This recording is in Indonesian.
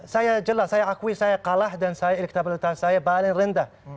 saya jelas saya akui saya kalah dan elektabilitas saya paling rendah